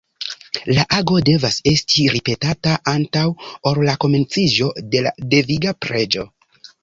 La ago devas esti ripetata antaŭ ol la komenciĝo de la deviga preĝo.